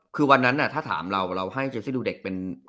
คือวันนั้นถ้าถามเราเราให้เจซี่ดูเด็กเป็น